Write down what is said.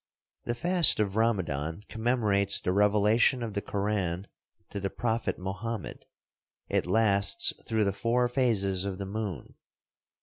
The fast of Ramadan commemorates the revelation of the Koran to the prophet Mohammed. It lasts through the four phases of the moon.